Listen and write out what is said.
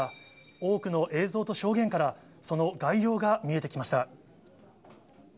多くの映像と証言からその概要が見えてきました。